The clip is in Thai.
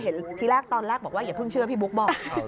ทีแรกตอนแรกบอกว่าอย่าเพิ่งเชื่อพี่บุ๊กบอก